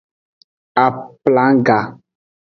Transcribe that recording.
Aflangga.